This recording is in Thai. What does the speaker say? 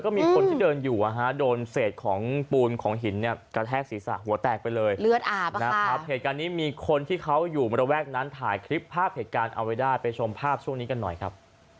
มีคนที่เดินอยู่โดนเศษของปูนของหินเนี่ยกระแทกศีรษะหัวแตกไปเลยเลือดอาบนะครับเหตุการณ์นี้มีคนที่เขาอยู่ระแวกนั้นถ่ายคลิปภาพเหตุการณ์เอาไว้ได้ไปชมภาพช่วงนี้กันหน่อยครับ